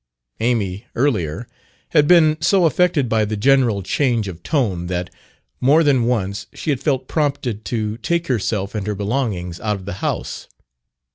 Amy, earlier, had been so affected by the general change of tone that, more than once, she had felt prompted to take herself and her belongings out of the house.